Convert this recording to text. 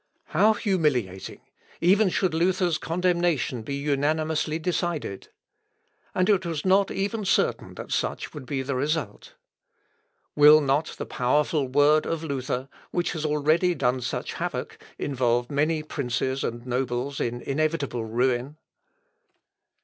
How humiliating even should Luther's condemnation be unanimously decided! And it was not even certain that such would be the result. Will not the powerful word of Luther, which has already done such havoc, involve many princes and nobles in inevitable ruin?